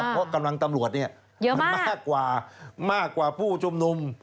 เพราะกำลังตำรวจมีเยอะมากมากกว่าผู้จมนุม